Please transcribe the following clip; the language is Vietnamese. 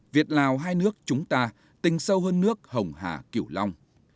việt lào hai nước chúng ta tình sâu hơn nước hồng hà kiểu long